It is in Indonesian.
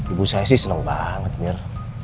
ibu saya sih senang banget mir